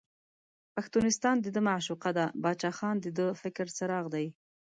پښتونستان دده معشوقه ده، باچا خان دده د فکر څراغ دی.